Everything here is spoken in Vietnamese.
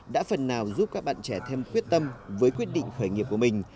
đã phần nào giúp các bạn trẻ thêm quyết tâm với quyết định khởi nghiệp của mình